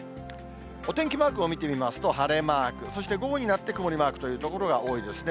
お天気マークを見てみますと、晴れマーク、そして午後になって曇りマークという所が多いですね。